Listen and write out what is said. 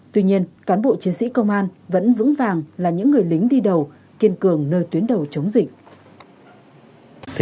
tuy nhiên cán bộ chiến sĩ công an vẫn vững vàng là những người lính đi đầu kiên cường nơi tuyến đầu chống dịch